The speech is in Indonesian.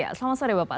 ya selamat sore bapak